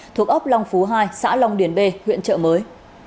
thuộc ốc long phú hai xã long điền b huyện chợ mới